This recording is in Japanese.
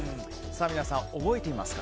皆さん、覚えていますか？